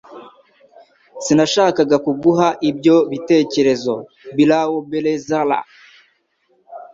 Sinashakaga kuguha ibyo bitekerezo. (brauliobezerra)